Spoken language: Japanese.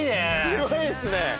すごいですね。